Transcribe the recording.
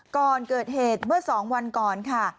ก่อนเกิดเหตุเมื่อ๒วันก่อนค่ะ